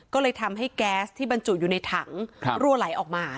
ก็เลยทำให้แก๊สที่บรรจุอยู่ในถังรั่วไหลออกมา